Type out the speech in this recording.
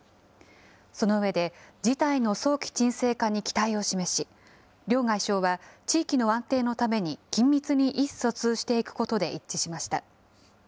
その上で、事態の早期沈静化に期待を示し、両外相は地域の安定のために緊密に意思疎通していくことで一致しました。